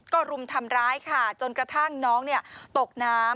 ก็รุมทำร้ายค่ะจนกระทั่งน้องตกน้ำ